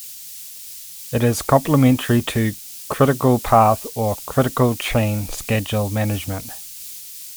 It is complementary to critical path or critical chain schedule management.